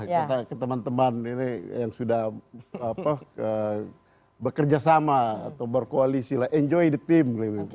kita ke teman teman ini yang sudah bekerja sama atau berkoalisi lah enjoy the team